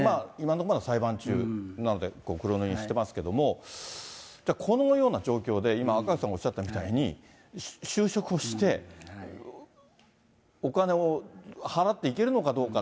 まだ裁判中なので、黒塗りしてますけれども、このような状況で、今、赤星さんがおっしゃったみたいに、就職して、お金を払っていけるのかどうか。